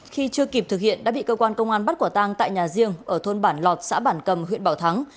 khi chưa kịp thực hiện đã bị cơ quan công an bắt quả tang tại nhà riêng ở thôn bản lọt xã bản cầm huyện bảo thắng